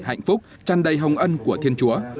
hạnh phúc chăn đầy hồng ân của thiên chúa